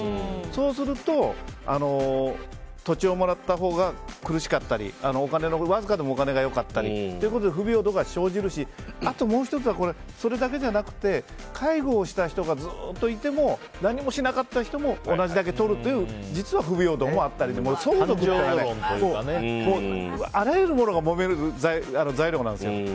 そうすると土地をもらったほうが苦しかったりわずかでもお金が良かったりで不平等が生じるしあともう１つはそれだけじゃなくて介護をした人がずっといても何もしなかった人も同じだけ取るという実は不平等もあったりで相続というのは、あらゆるものがもめる材料なんですよ。